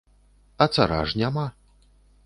А цара ж няма.